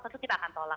tentu kita akan tolak